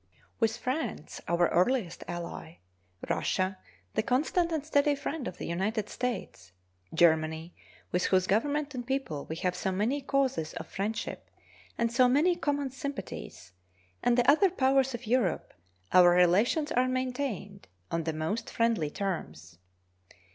With France, our earliest ally; Russia, the constant and steady friend of the United States; Germany, with whose Government and people we have so many causes of friendship and so many common sympathies, and the other powers of Europe, our relations are maintained on the most friendly terms.